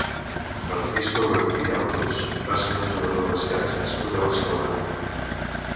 Francisco García Orús va ser un jugador d'escacs nascut a Barcelona.